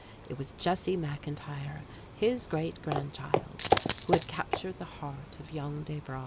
It was Jessie McIntyre, his great grandchild, who had captured the heart of young Desbra.